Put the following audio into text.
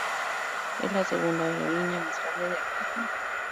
Es la segunda aerolínea más grande de Argentina.